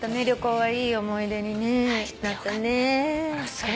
はい。